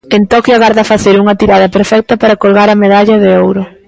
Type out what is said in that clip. En Toquio agarda facer unha tirada perfecta para colgar a medalla de ouro.